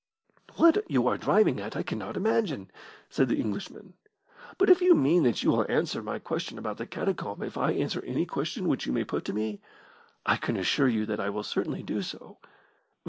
"What you are driving at I cannot imagine," said the Englishman, "but if you mean that you will answer my question about the catacomb if I answer any question which you may put to me, I can assure you that I will certainly do so."